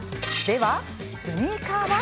では、スニーカーは？